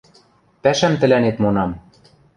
Пӓшӓм тӹлӓнет монам...